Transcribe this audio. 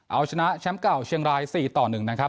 เอาชนะแชมป์เก่าเชียงราย๔ต่อ๑นะครับ